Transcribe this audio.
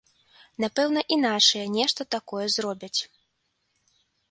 Напэўна, і нашыя нешта такое зробяць.